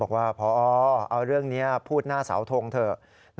บอกว่าพอเอาเรื่องนี้พูดหน้าเสาทงเถอะ